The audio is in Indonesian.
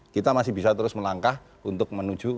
kita masih bisa terus melangkah untuk menuju